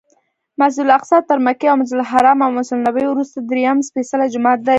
مسجدالاقصی تر مکې او مسجدالحرام او مسجدنبوي وروسته درېیم سپېڅلی جومات دی.